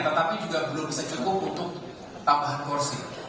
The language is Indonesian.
tetapi juga belum bisa cukup untuk tambahan kursi